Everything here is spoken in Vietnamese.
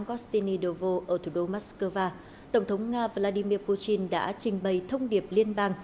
kostini dovo ở thủ đô moscow tổng thống nga vladimir putin đã trình bày thông điệp liên bang